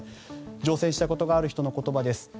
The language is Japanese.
乗船したことがある人の言葉です。